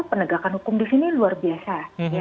penegakan hukum di sini luar biasa